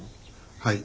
はい。